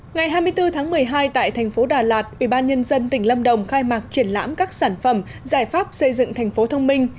ngày hai mươi bốn tháng một mươi hai tại thành phố đà lạt ủy ban nhân dân tỉnh lâm đồng khai mạc triển lãm các sản phẩm giải pháp xây dựng thành phố thông minh